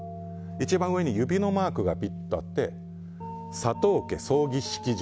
一番上に指のマークがピッとあって佐藤家葬儀式場。